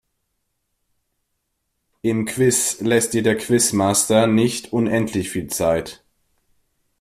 Im Quiz lässt dir der Quizmaster nicht unendlich viel Zeit.